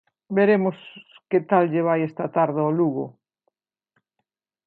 Veremos que tal lle vai esta tarde ao Lugo.